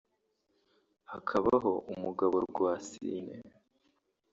hakabaho umugabo Rwasine